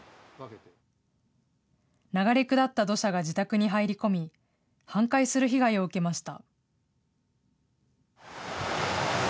流れ下った土砂が自宅に入り込み、半壊する被害を受けました。